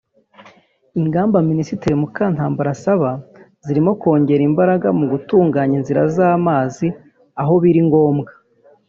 Ingamba Minisitiri Mukantabana asaba zirimo kongera imbaraga mu gutunganya inzira z’amazi aho biri ngombwa